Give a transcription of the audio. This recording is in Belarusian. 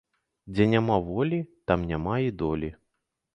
Дзе няма волі, там няма і долі